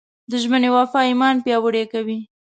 د ژمنې وفا ایمان پیاوړی کوي.